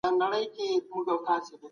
استاد وويل چي تاريخ ستاسو تېروتی انځور دی.